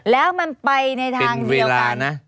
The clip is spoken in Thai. แล้วมันไปในทางเดียวกัน